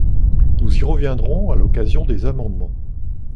Nous y reviendrons à l’occasion des amendements.